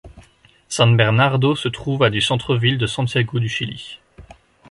San Bernardo se trouve à du centre-ville de Santiago du Chili.